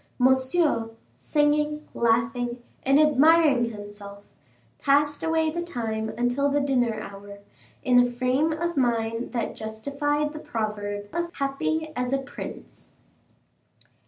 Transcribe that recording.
Monsieur, singing, laughing, and admiring himself, passed away the time until the dinner hour, in a frame of mind that justified the proverb of "Happy as a prince."